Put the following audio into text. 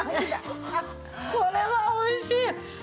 これはおいしい！